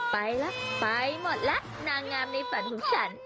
ไปละไปหมดละนางงามในฝันของฉัน